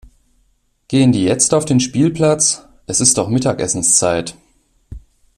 Gehen die jetzt auf den Spielplatz? Es ist doch Mittagessenszeit.